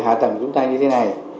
hạ tầng chúng ta như thế này